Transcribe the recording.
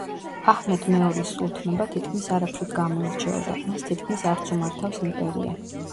აჰმედ მეორის სულთნობა თითქმის არაფრით გამოირჩეოდა, მას თითქმის არც უმართავს იმპერია.